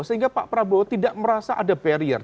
sehingga pak prabowo tidak merasa ada barrier